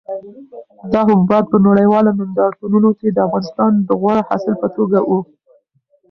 دا حبوبات په نړیوالو نندارتونونو کې د افغانستان د غوره حاصل په توګه وو.